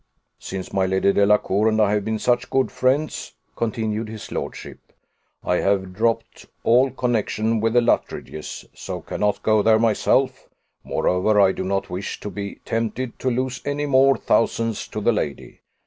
"Since my Lady Delacour and I have been such good friends," continued his lordship, "I have dropped all connexion with the Luttridges; so cannot go there myself: moreover, I do not wish to be tempted to lose any more thousands to the lady.